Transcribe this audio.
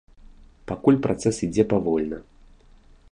Пакуль працэс ідзе павольна.